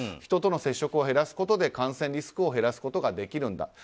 人との接触を減らすことで感染リスクを減らせるんだ。